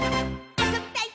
あそびたい！」